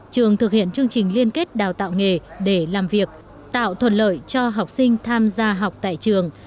trường thực hiện chương trình liên kết đào tạo nghề để làm việc tạo thuận lợi cho học sinh tham gia học tại trường